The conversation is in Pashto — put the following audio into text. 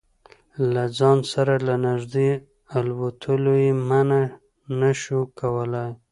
له ځان سره له نږدې الوتلو یې منع نه شو کولای.